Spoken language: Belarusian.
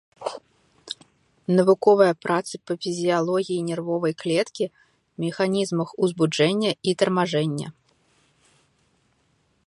Навуковыя працы па фізіялогіі нервовай клеткі, механізмах узбуджэння і тармажэння.